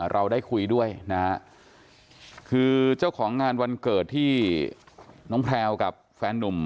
เราได้คุยด้วยนะฮะคือเจ้าของงานวันเกิดที่น้องแพลวกับแฟนนุ่ม